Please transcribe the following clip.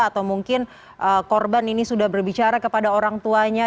atau mungkin korban ini sudah berbicara kepada orang tuanya